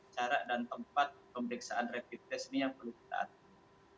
cara dan tempat pemeriksaan rapid test ini yang perlu kita atur